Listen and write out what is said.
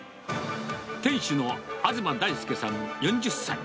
店主の我妻大輔さん４０歳。